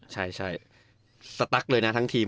ใช่สตั๊กเลยนะทั้งทีม